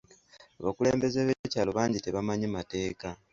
Abakulembeze b'ebyalo bangi tebamanyi mateeka.